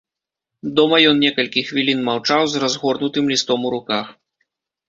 Дома ён некалькі хвілін маўчаў з разгорнутым лістом у руках.